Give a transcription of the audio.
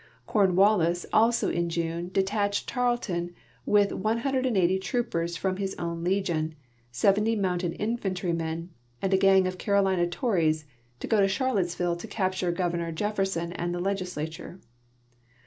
Cornwallis also in June detached Tarleton with 180 troopers from his own legion, 70 mounted infantrymen, and a gang of Carolina tories to go to Charlottesville to capture Governor Jef ferson and the legislature.